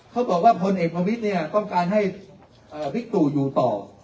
เขาบอกว่าพลเอกประวิทย์เนี้ยต้องการให้เอ่อวิกตู่อยู่ต่อ